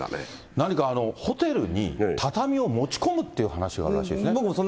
何かホテルに畳を持ち込むっていう話らしいですね。